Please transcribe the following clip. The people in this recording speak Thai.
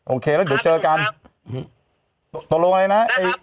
โอเคแล้วเดี๋ยวเจอกันตัวโลกอะไรนะนะครับ